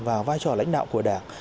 vào vai trò lãnh đạo của đảng